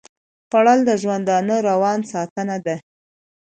خوړل د ژوندانه روان ساتنه ده